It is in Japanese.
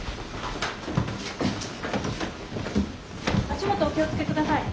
足元お気を付けください。